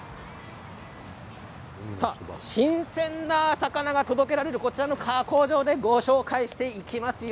新鮮な魚が届けられるこちらの加工場でご紹介していきますよ。